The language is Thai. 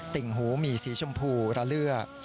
ติ่งหูมีสีชมพูระเลือด